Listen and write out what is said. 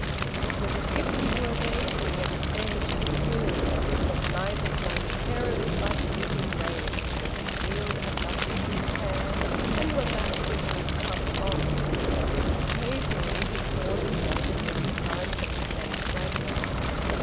It was as if he were gazing at a stage in gloom, but lighted momentarily by fleeting rays that revealed a lovely detail and were bafflingly cut off. Occasionally he thought he noticed a recurrence of the same fragment.